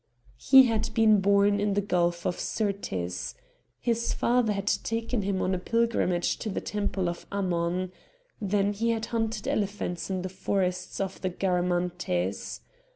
He had been born in the gulf of Syrtis. His father had taken him on a pilgrimage to the temple of Ammon. Then he had hunted elephants in the forests of the Garamantes.